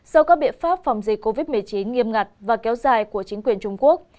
sau các biện pháp phòng dịch covid một mươi chín nghiêm ngặt và kéo dài của chính quyền trung quốc